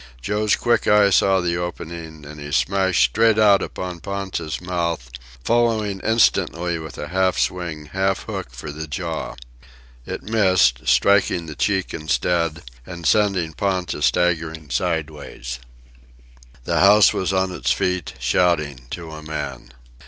Joe's quick eye saw the opening, and he smashed straight out upon Ponta's mouth, following instantly with a half swing, half hook, for the jaw. It missed, striking the cheek instead, and sending Ponta staggering sideways. The house was on its feet, shouting, to a man.